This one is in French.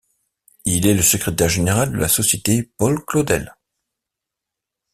Il est le secrétaire général de la Société Paul-Claudel.